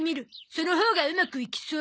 そのほうがうまくいきそう。